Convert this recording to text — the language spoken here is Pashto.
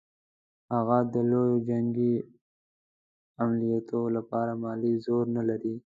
هغه د لویو جنګي عملیاتو لپاره مالي زور نه لري.